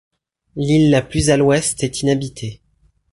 L'île la plus à l'ouest est inhabitée.